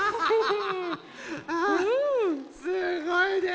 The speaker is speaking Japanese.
すごいね。